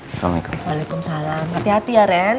assalamualaikum hati hati ya ren